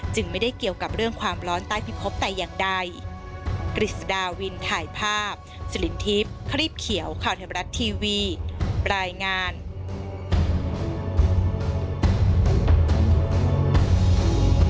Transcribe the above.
ไม่ได้เกี่ยวกับเรื่องความร้อนใต้พิภพแต่อย่างใด